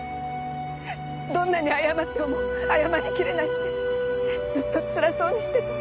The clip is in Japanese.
どんなに謝っても謝りきれないってずっとつらそうにしてた。